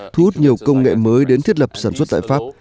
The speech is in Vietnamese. thu hút nhiều công nghệ mới đến thiết lập sản xuất tại pháp